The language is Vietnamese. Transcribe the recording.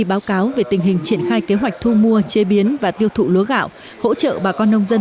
báo cáo về tình hình triển khai kế hoạch thu mua chế biến và tiêu thụ lúa gạo hỗ trợ bà con nông dân